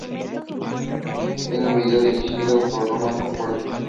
Tiene un video dirigido por Roman Coppola.